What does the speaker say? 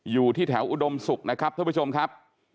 อยู่ที่แถวอุดมศุกร์นะครับท่านผู้ชมครับ